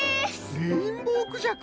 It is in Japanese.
レインボーくじゃく？